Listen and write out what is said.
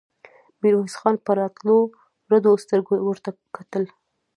ميرويس خان په راوتلو رډو سترګو ورته کتل.